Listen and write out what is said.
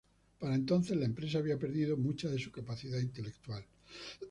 Para entonces, la empresa había perdido mucha de su capacidad intelectual.